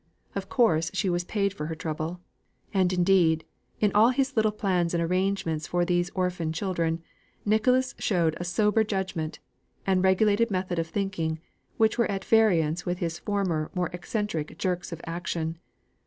Of course she was paid for her trouble; and, indeed, in all his little plans and arrangements for these orphan children, Nicholas showed a sober judgment, and regulated method of thinking, which were at variance with his former more eccentric jerks of action.